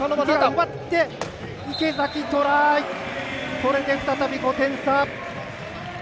これで、再び５点差！